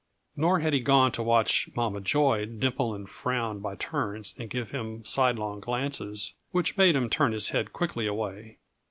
Nor had he gone to watch Mama Joy dimple and frown by turns and give him sidelong glances which made him turn his head quickly away.